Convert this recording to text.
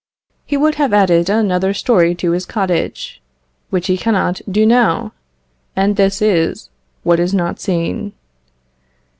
He would have added another story to his cottage, which he cannot do now, and this is what is not seen.